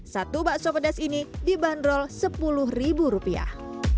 satu bakso pedas ini dibanderol sepuluh ribu rupiah